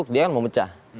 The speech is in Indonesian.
dia akan memecah